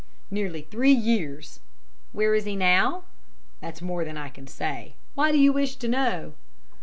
"Nearly three years." "Where is he now?" "That's more than I can say. Why do you wish to know?"